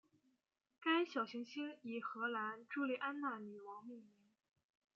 该小行星以荷兰朱丽安娜女王命名。